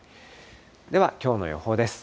ではきょうの予報です。